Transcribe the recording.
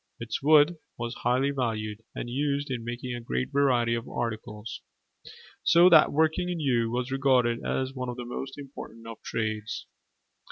Its wood was highly valued and used in making a great variety of articles: so that working in yew was regarded as one of the most important of trades.